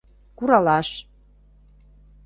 — Куралаш.